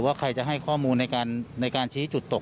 ใครจะให้ข้อมูลในการชี้จุดตก